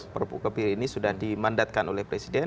perpu kebiri ini sudah dimandatkan oleh presiden